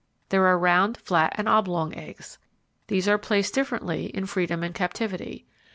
There are round, flat, and oblong eggs. These are placed differently in freedom and captivity.